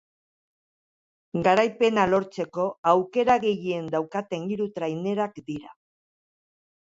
Garaipena lortzeko aukera gehien daukaten hiru trainerak dira.